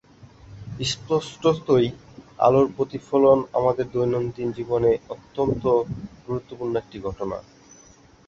স্পষ্টতই আলোর প্রতিফলন আমাদের দৈনন্দিন জীবনে অত্যন্ত গুরুত্বপূর্ণ একটি ঘটনা।